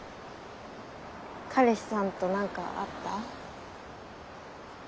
彼氏さんと何かあった？